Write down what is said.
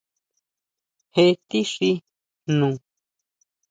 ¿Jé tixí jnu?